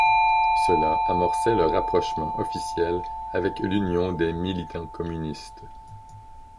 Cela amorçait le rapprochement officiel avec l’Union des militants communistes.